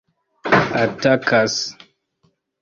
atakas